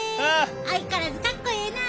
相変わらずかっこええなあ。